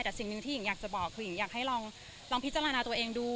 แต่สิ่งหนึ่งที่หญิงอยากจะบอกคือหญิงอยากให้ลองพิจารณาตัวเองดู